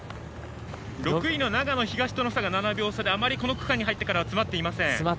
６位の長野東との差が７秒差であまりこの区間に入ってからは詰まっていません。